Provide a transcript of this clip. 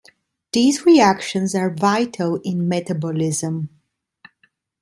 These reactions are vital in metabolism.